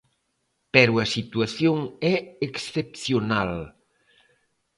Pero a situación é excepcional.